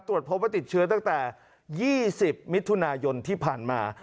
ตรวจพบว่าติดเชื้อตั้งแต่๒๐มิถุนายนที่ผ่านมา